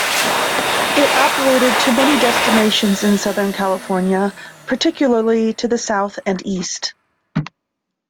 It operated to many destinations in Southern California, particularly to the south and east.